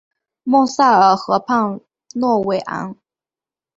莫塞尔河畔诺韦昂。